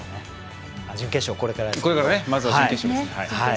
準決勝はこれからですけど。